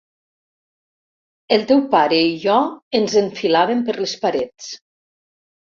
El teu pare i jo ens enfilàvem per les parets.